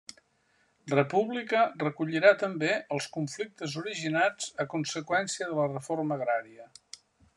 República recollirà també els conflictes originats a conseqüència de la reforma agrària.